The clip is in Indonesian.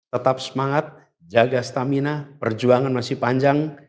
tetap semangat jaga stamina perjuangan masih panjang